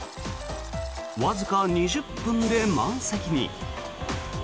わずか２０分で満席に。